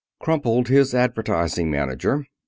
Crumpled his advertising manager.